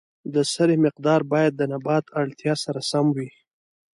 د سرې مقدار باید د نبات اړتیا سره سم وي.